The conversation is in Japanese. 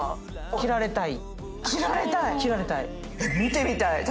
斬られたい。